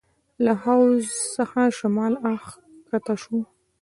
له حوض څخه شمال اړخ کښته شوو.